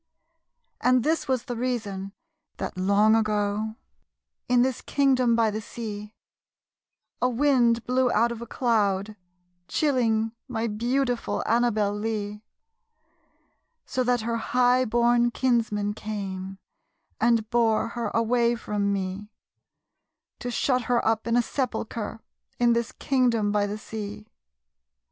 And this was the reason that, long ago, In this kingdom by the sea, A wind blew out of a cloud, chilling My beautiful Annabel Lee; So that her highborn kinsmen came And bore her away from me, To shut her up in a sepulchre In this kingdom by the sea.